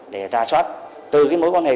để ra soát từ mối quan hệ